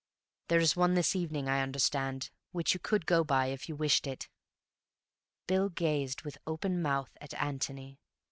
There is one this evening, I understand, which you could go by if you wished it." Bill gazed with open mouth at Antony.